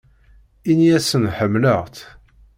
Ini-asen ḥemmleɣ-tt.